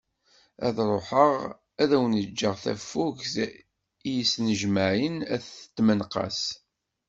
Ad ruḥeγ ad awen-ğğeγ tafugt i d yesnejmaԑen at n tmenqas.